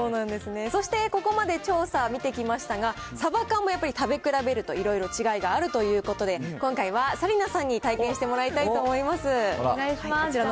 そしてここまで調査を見てきましたが、サバ缶もやっぱり食べ比べるといろいろ違いがあるということで、今回は紗理奈さんに体験してもらいたいと思います。